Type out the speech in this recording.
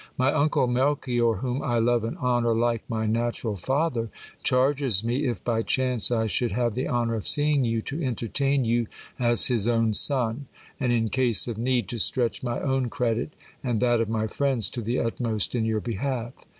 My uncle Melchior, whom I love and honour like my natural father, charges me, if by chance I should have the honour of seeing you, to entertain you as his own son, and in case of need, to stretch my own credit and that oi my friends to the utmost in your behalf.